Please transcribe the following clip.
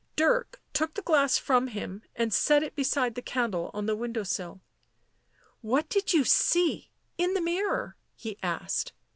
Dirk took the glass from him and set it beside the candle on the window sill. "What did you see — in the mirror?" he asked.